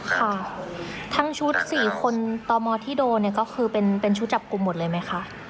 ค่ะทั้งชุด๔คนต่อมอที่โดนเนี่ยก็คือเป็นชุดจับกลุ่มหมดเลยไหมคะ